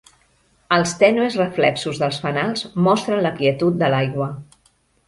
Els tènues reflexos dels fanals mostren la quietud de l'aigua.